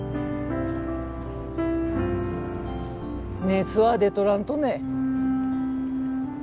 熱は出とらんとね？